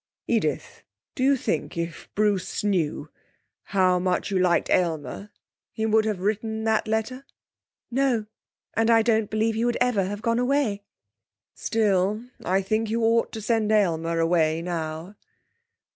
'Edith, do you think if Bruce knew how much you liked Aylmer he would have written that letter?' 'No. And I don't believe he would ever have gone away.' 'Still, I think you ought to send Aylmer away now.'